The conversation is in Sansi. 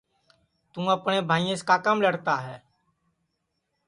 توں اپٹؔؔے بھائیاس کاکام لڑتا ہے